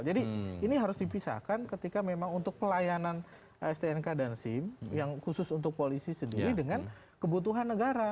jadi ini harus dipisahkan ketika memang untuk pelayanan stnk dan sim yang khusus untuk polisi sendiri dengan kebutuhan negara